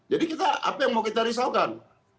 kita apa yang mau kita risaukan